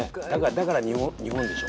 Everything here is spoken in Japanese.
だから日本でしょ。